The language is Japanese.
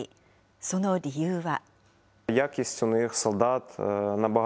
その理由は。